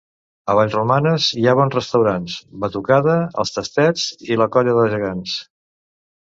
A Vallromanes hi ha bons restaurants, batucada, els tastets i la colla de gegants.